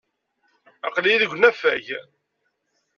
Aql-iyi deg unafag.